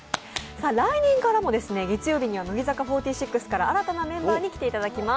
来年からも月曜日には乃木坂４６から新たなメンバーに来ていただきます。